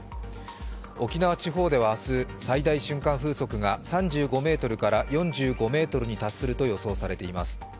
沖縄地方では明日最大瞬間風速が３５メートルから４５メートルに達すると予想されています。